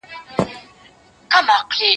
زه به سبا د سوالونو جواب ورکړم!!